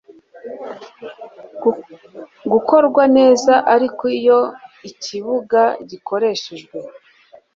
gukorwa neza ariko iyo ikibuga gikoreshejwe